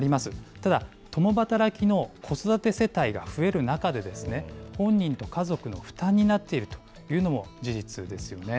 ただ共働きの子育て世帯が増える中で、本人と家族の負担になっているというのも事実ですよね。